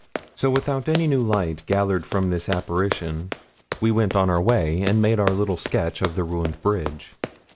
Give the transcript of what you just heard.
So, without any new light gathered from this apparition, we went on our way, and made our little sketch of the ruined bridge.